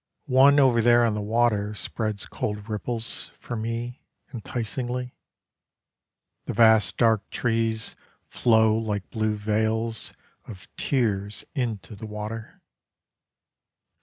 One over there on the water Spreads cold ripples For me Enticingly. The vast dark trees Flow like blue veils Of tears Into the water.